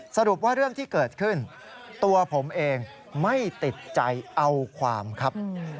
สรุปว่าเรื่องที่เกิดขึ้นตัวผมเองไม่ติดใจเอาความครับ